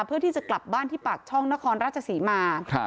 เพื่อที่จะกลับบ้านที่ปากช่องนครราชศรีมา